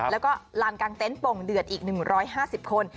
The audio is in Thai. แล้วก็ลานกลางเต็นต์โป่งเดือดอีก๑๕๐คน